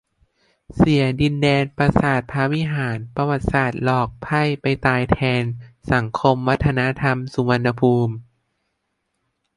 เสียดินแดน "ปราสาทพระวิหาร" ประวัติศาสตร์หลอกไพร่ไปตายแทน สังคมวัฒนธรรม สุวรรณภูมิ